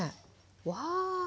わあ。